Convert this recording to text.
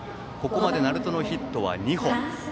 ここまで鳴門のヒットは２本。